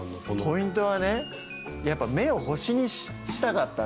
ポイントはねやっぱ目を星にしたかったんですよ。